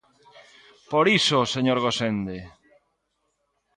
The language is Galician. ¡Por iso, señor Gosende!